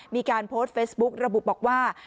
มีการโพสต์เฟซบุ๊กระบุบอกว่า